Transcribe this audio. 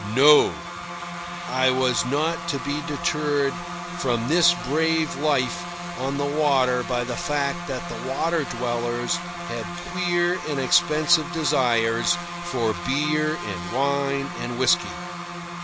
No; I was not to be deterred from this brave life on the water by the fact that the water dwellers had queer and expensive desires for beer and wine and whisky.